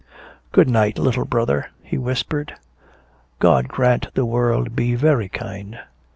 "Good night, little brother," he whispered. "God grant the world be very kind."